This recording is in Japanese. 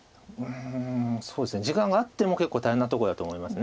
時間があっても結構大変なとこだと思います